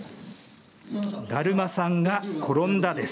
だるまさんが転んだです。